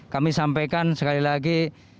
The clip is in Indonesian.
kami sampaikan sekali lagi